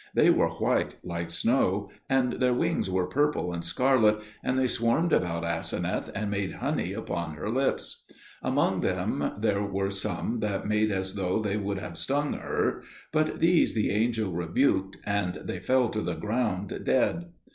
They were white like snow, and their wings were purple and scarlet, and they swarmed about Aseneth and made honey upon her lips. Among them there were some that made as though they would have stung her, but these the angel rebuked, and they fell to the ground dead.